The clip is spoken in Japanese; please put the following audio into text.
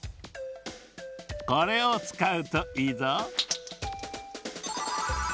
これをつかうといいぞ。